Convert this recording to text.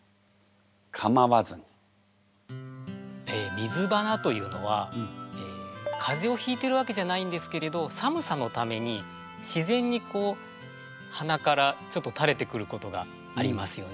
「水洟」というのは風邪をひいてるわけじゃないんですけれど寒さのために自然にこう鼻からちょっとたれてくることがありますよね。